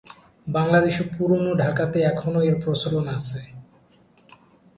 বাংলাদেশে পুরানো ঢাকাতে এখনো এর প্রচলন আছে।